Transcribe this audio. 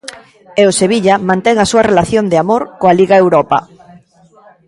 E o Sevilla mantén a súa relación de amor coa Liga Europa.